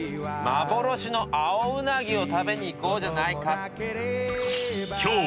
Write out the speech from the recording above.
幻の青ウナギを食べに行こうじゃないかと。